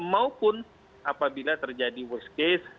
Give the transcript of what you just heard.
maupun apabila terjadi worst case